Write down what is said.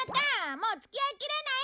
もう付き合いきれない！